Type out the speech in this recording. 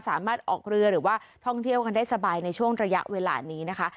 สามารถออกเรือหรือว่าท่องเที่ยวกันได้สบายในช่วงระยะเวลานี้นะคะ